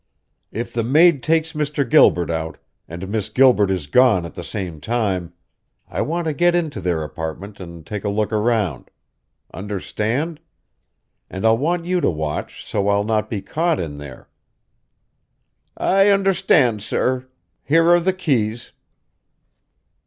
"If the maid takes Mr. Gilbert out, and Miss Gilbert is gone at the same time, I want to get into their apartment and take a look around. Understand? And I'll want you to watch, so I'll not be caught in there." "I understand, sir. Here are the keys."